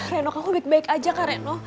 reno kamu lebih baik aja kak reno